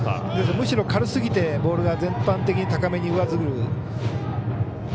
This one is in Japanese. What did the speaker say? むしろ軽すぎてボールが全般的に高めに上ずる。